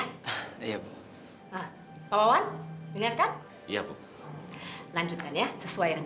kalau kita gak berani kita bakal kalah sama toko lain pak